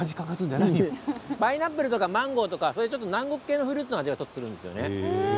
パイナップルとかマンゴーとか南国系のフルーツの味がします。